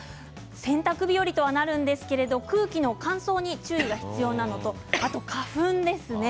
洗濯日和となるんですが空気の乾燥に注意が必要なのとあとは花粉ですね。